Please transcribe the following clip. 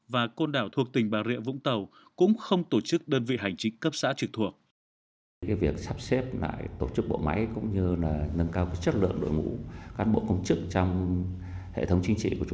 và côn đảo thuộc tỉnh bà rịa vũng tàu cũng không tổ chức đơn vị hành chính cấp xã trực thuộc